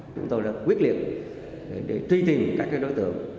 chúng tôi đã quyết liệt để truy tìm các đối tượng